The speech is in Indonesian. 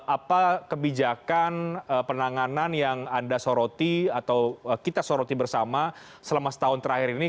apa kebijakan penanganan yang anda soroti atau kita soroti bersama selama setahun terakhir ini